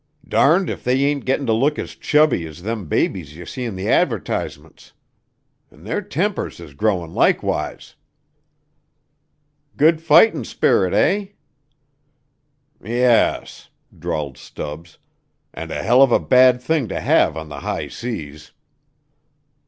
Darned if they ain't gettin' to look as chubby as them babies you see in the advertisements. An' their tempers is growin' likewise." "Good fightin' spirit, eh?" "Yes," drawled Stubbs, "an' a hell of a bad thing to have on the high seas."